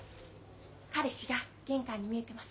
彼氏が玄関に見えてますよ。